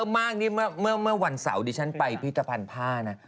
เมื่อวันเสาร์ชั้นไปรีบมีพี่ตะพานผ้า